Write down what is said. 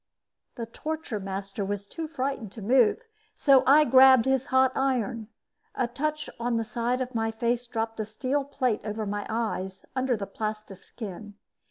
The torture master was too frightened to move, so I grabbed out his hot iron. A touch on the side of my face dropped a steel plate over my eyes, under the plastiskin.